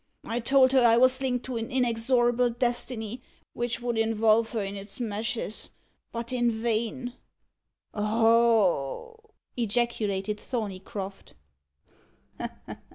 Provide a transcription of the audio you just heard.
I told her I was linked to an inexorable destiny, which would involve her in its meshes but in vain." "Oh!" ejaculated Thorneycroft.